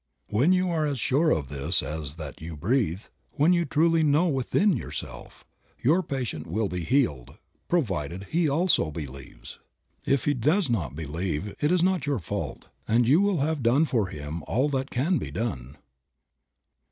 When you are as sure of this as that you breathe, when you truly know within yourself, your patient will be healed, provided he also believes. If he does not believe it is not your fault, and you will have done for him all that can be done.